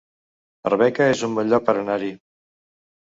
Arbeca es un bon lloc per anar-hi